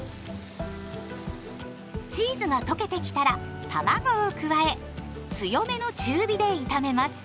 チーズが溶けてきたらたまごを加え強めの中火で炒めます。